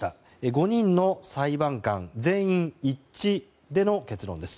５人の裁判官全員一致での判決です。